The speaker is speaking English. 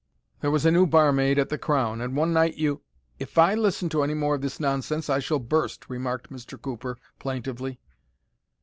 "There was a new barmaid at the Crown, and one night you——" "If I listen to any more of this nonsense I shall burst," remarked Mr. Cooper, plaintively.